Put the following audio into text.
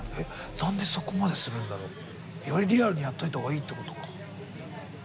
何でそこまでするんだろう？よりリアルにやっといたほうがいいってことか。